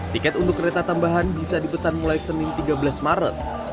tiket untuk kereta tambahan bisa dipesan mulai senin tiga belas maret